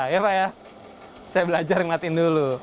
ya pak ya saya belajar ngeliatin dulu